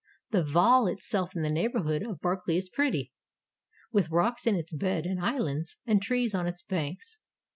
The Vaal itself in the neighborhood of Barkly is pretty, — with rocks in its bed and islands and trees on its banks.